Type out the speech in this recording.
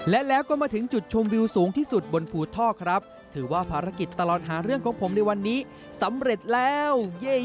และแล้วก็มาถึงจุดชมวิวสูงที่สุดบนภูท่อครับถือว่าภารกิจตลอดหาเรื่องของผมในวันนี้สำเร็จแล้ว